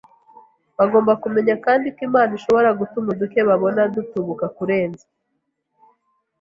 Bagomba kumenya kandi ko Imana ishobora gutuma uduke babona dutubuka kurenza